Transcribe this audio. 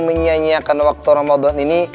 menyanyiakan waktu ramadan ini